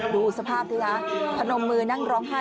ดูสภาพสิคะพนมมือนั่งร้องไห้